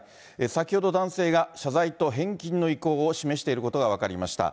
先ほど男性が謝罪と返金の意向を示していることが分かりました。